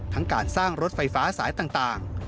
ทั้งการสร้างรถไฟฟ้าสายต่าง